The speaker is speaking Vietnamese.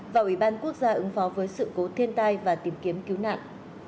và ủy ban quốc gia ứng phó với sự cố thiên tai và tìm kiếm cứu nạn